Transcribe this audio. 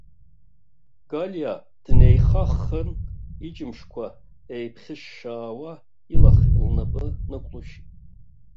Галиа днеихаххын, иџьымшьқәа еиԥхьышьшьаауа, илахь лнапы нықәылшьит.